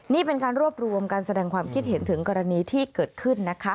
นี่เป็นการรวบรวมการแสดงความคิดเห็นถึงกรณีที่เกิดขึ้นนะคะ